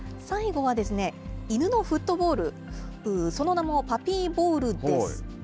最後はですね、犬のフットボール、その名もパピー・ボウルです。